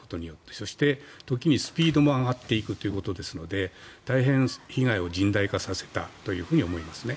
そして、時にスピードも上がっていくということですので大変被害を甚大化させたというふうに思いますね。